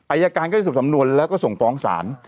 อายการก็จะสรุปสำนวนแล้วก็ส่งฟ้องศาล